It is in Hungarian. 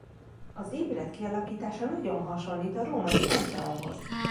Az épület kialakítása nagyon hasonlít a római Pantheonhoz.